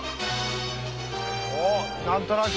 おっ何となく。